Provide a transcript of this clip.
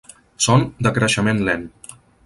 Són de creixement lent.